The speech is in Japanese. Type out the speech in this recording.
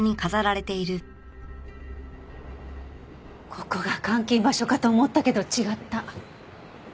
ここが監禁場所かと思ったけど違った。